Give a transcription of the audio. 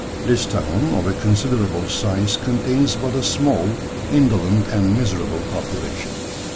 This town, of a considerable size, contains but a small, indolent, and miserable population.